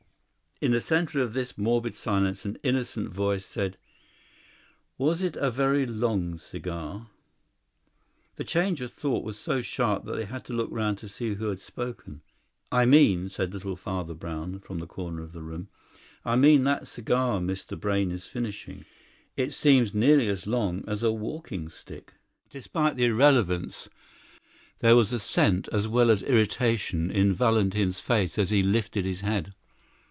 In the centre of this morbid silence an innocent voice said: "Was it a very long cigar?" The change of thought was so sharp that they had to look round to see who had spoken. "I mean," said little Father Brown, from the corner of the room, "I mean that cigar Mr. Brayne is finishing. It seems nearly as long as a walking stick." Despite the irrelevance there was assent as well as irritation in Valentin's face as he lifted his head.